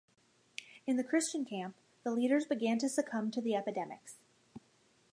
In the Christian camp, the leaders began to succumb to the epidemics.